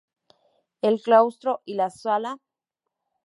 El claustro y la sala capitular fueron demolidos, pero la catedral se mantuvo.